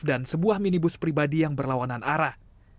dan sebuah minibus pribadi yang berlawanan arah